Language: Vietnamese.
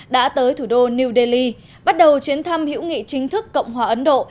đã tới thủ đô new delhi bắt đầu chuyến thăm hữu nghị chính thức cộng hòa ấn độ